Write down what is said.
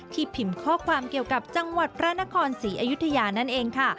พิมพ์ข้อความเกี่ยวกับจังหวัดพระนครศรีอยุธยานั่นเองค่ะ